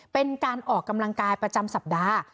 เป็นการออกกำลังกายประจำสัปดาห์